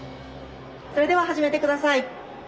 「それでは始めて下さい」。